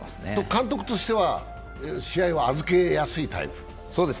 監督としては、試合は預けやすいタイプ？